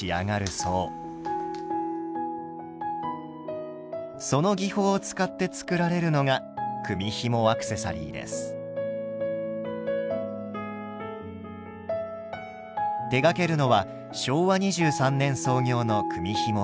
その技法を使って作られるのが手がけるのは昭和２３年創業の組みひも会社。